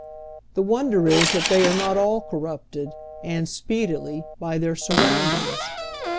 The wonder is that they are not all corrupted, and speedily, by their surroundings.